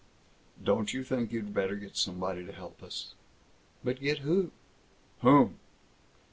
"Don't you think you'd better get somebody to help us?" "But get who?" "Whom!"